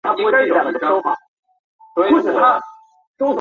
没有金科绿玉的教科书，不做颐使气指的教师爷